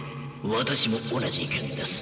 私も同じ意見です。